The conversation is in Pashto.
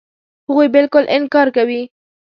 هغوی بالکل انکار کوي.